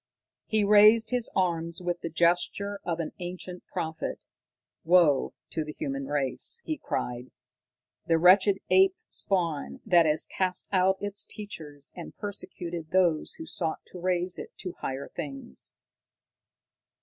He raised his arms with the gesture of an ancient prophet. "Woe to the human race," he cried, "the wretched ape spawn that has cast out its teachers and persecuted those who sought to raise it to higher things!"